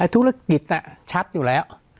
ไอ้ธุรกิจน่ะชัดอยู่แล้ว